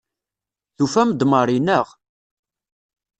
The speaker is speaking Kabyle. Tufam-d Mary, naɣ?